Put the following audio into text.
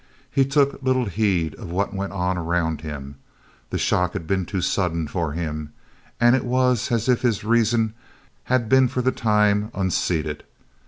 He took little heed of what went on around him. The shock had been too sudden for him, and it was as if his reason had been for the time unseated.